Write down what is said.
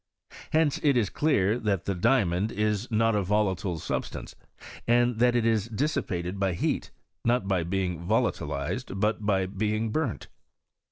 Hence it is clear that the diamond is not a volatile substance, and that it is dissipated by heat, not by being volatilized, but by being burnt.